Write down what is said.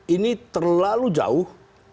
ini terlalu jauh